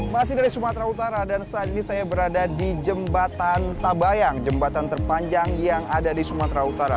masih dari sumatera utara dan saat ini saya berada di jembatan tabayang jembatan terpanjang yang ada di sumatera utara